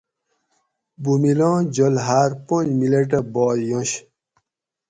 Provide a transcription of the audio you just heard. بومِلاں جل ھار پونج ملٹہ باد یںش